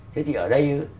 thế thì ở đây á